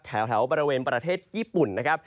แถวบริเวณประเทศญี่ปุ่นนะครับ